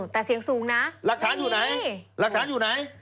แต่เสียงสูงนะไม่มี